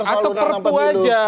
atau perbu aja